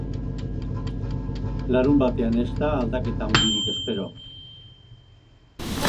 Larunbatean ez da aldaketa handirik espero.